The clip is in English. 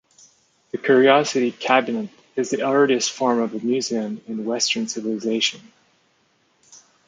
The curiosity cabinet is the earliest form of a museum in Western civilization.